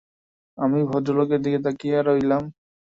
আমি ভদ্রলোকের দিকে তাকিয়ে রইলাম।